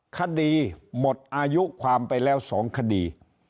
คดีหมดอายุความไปแล้ว๒คดี